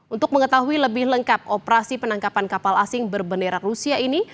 untuk mengetahui lebih lengkap operasi penangkapan kapal asing berbendera rusia ini